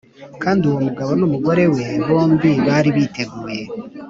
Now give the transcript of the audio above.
Kandi uwo mugabo n umugore we bombi bari biteguye